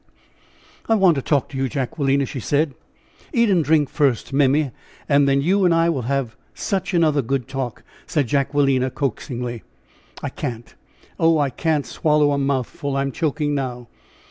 "I want to talk to you, Jacquelina," she said. "Eat and drink first, Mimmy, and then you and I will have such another good talk!" said Jacquelina, coaxingly. "I can't! Oh! I can't swallow a mouthful, I am choking now!"